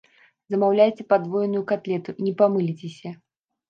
Замаўляйце падвойную катлету, не памыліцеся.